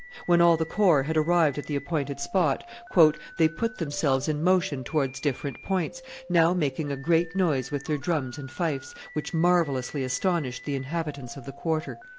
When all the corps had arrived at the appointed spot, "they put themselves in motion towards different points, now making a great noise with their drums and fifes, which marvellously astonished the inhabitants of the quarter."